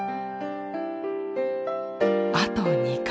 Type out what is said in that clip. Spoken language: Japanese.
あと２回。